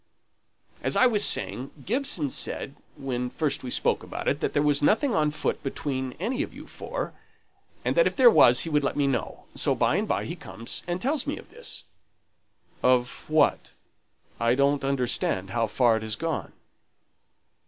"As I was saying, Gibson said, when first we spoke about it, that there was nothing on foot between any of you four, and that if there was, he would let me know; so by and by he comes and tells me of this." "Of what I don't understand how far it has gone?"